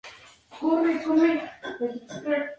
Anidan en el suelo, en humedales y marismas.